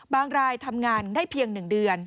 รายทำงานได้เพียง๑เดือน